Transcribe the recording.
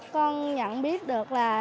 con nhận biết được là